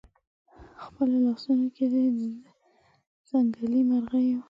خپلو لاسونو کې د ځنګلي مرغیو